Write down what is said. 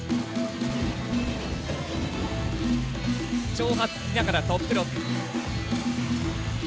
挑発しながらトップロック。